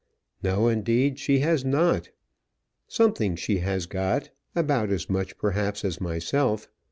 "No, indeed, she has not. Something she has got; about as much, perhaps, as myself.